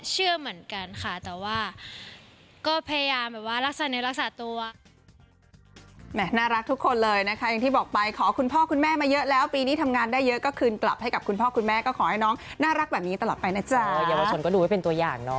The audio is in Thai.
เชื่อเหมือนกันค่ะแต่ว่าก็พยายามแบบว่ารักษาเนื้อรักษาตัว